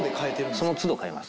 その都度変えます。